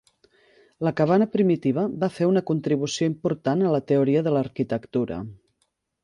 La cabana primitiva va fer una contribució important a la teoria de l'arquitectura.